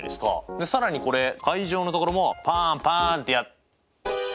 で更にこれ階乗のところもパンパンッてやって。